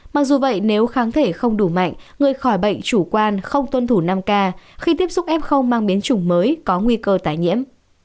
mặc dù vậy nếu kháng thể không đủ mạnh người khỏi bệnh chủ quan không tuân thủ năm k khi tiếp xúc f mang biến chủng mới có nguy cơ tái nhiễm